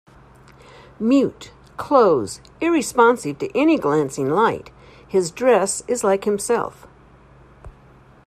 Mute, close, irresponsive to any glancing light, his dress is like himself.